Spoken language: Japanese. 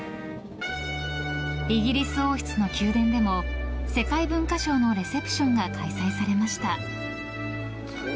イギリス王室の宮殿でも世界文化賞のレセプションが開催されました。